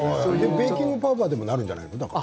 ベーキングパウダーでもなるんじゃないの？